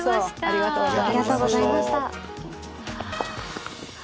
ありがとうございます。